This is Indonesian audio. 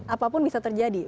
apapun bisa terjadi